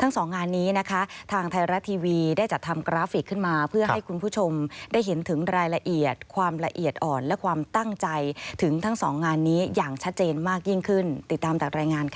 ทั้งสองงานนี้นะคะทางไทยรัฐทีวีได้จัดทำกราฟิกขึ้นมาเพื่อให้คุณผู้ชมได้เห็นถึงรายละเอียดความละเอียดอ่อนและความตั้งใจถึงทั้งสองงานนี้อย่างชัดเจนมากยิ่งขึ้นติดตามจากรายงานค่ะ